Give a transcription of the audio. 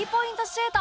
シュート